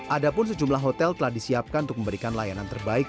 ada pun sejumlah hotel telah disiapkan untuk memberikan layanan terbaik